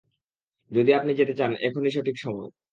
যদি আপনি যেতে চান, এখনই সঠিক সময়!